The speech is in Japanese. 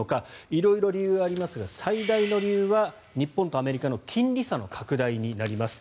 色々理由がありますが最大の理由は日本とアメリカの金利差の拡大になります。